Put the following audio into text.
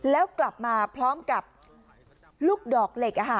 แล้วกลับมาพร้อมกับลูกดอกเหล็ก